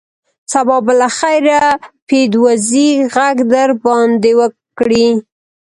سبا به له خیره پیدوزي غږ در باندې وکړي.